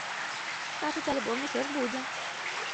Кажуць, альбом усё ж будзе.